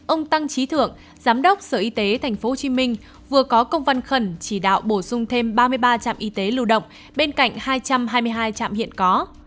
ông tăng trí thượng giám đốc sở y tế tp hcm vừa có công văn khẩn chỉ đạo bổ sung thêm ba mươi ba trạm y tế lưu động bên cạnh hai trăm hai mươi hai trạm hiện có